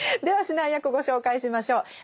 では指南役ご紹介しましょう。